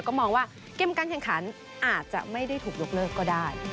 ก็มองว่าเกมการแข่งขันอาจจะไม่ได้ถูกยกเลิกก็ได้